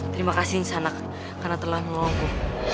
terima kasih nisanak karena telah menolongku